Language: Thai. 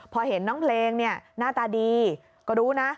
พอเห็นน้องเพลงเนี่ยหน้าตาดีก็รู้นะ